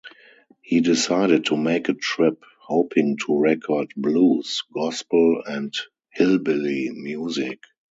He decided to make a trip, hoping to record blues, gospel and "hillbilly" music.